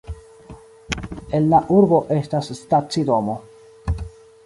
En la urbo estas stacidomo.